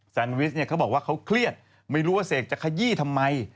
แซนวิชเนี่ยเขาบอกว่าเขาเครียดไม่รู้ว่าเสกจะขยี้ทำไม